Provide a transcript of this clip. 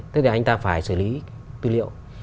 tức là anh ta phải xử lý tư liệu